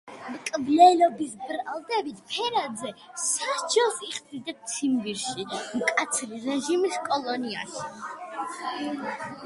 მკვლელობის ბრალდებით ფერაძე სასჯელს იხდიდა ციმბირში, მკაცრი რეჟიმის კოლონიაში.